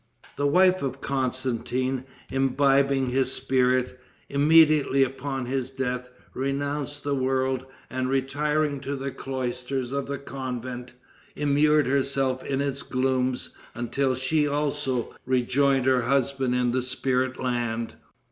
The wife of Constantin, imbibing his spirit, immediately upon his death renounced the world, and retiring to the cloisters of a convent, immured herself in its glooms until she also rejoined her husband in the spirit land.